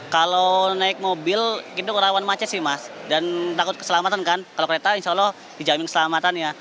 kalau naik mobil itu rawan macet sih mas dan takut keselamatan kan kalau kereta insya allah dijamin keselamatan ya